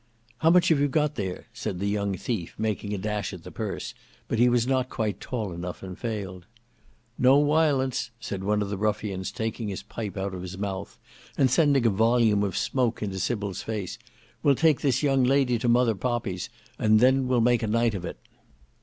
"How much have you got there?" said the young thief making a dash at the purse, but he was not quite tall enough, and failed. "No wiolence," said one of the ruffians taking his pipe out of his mouth and sending a volume of smoke into Sybil's face, "we'll take the young lady to Mother Poppy's, and then we'll make a night of it."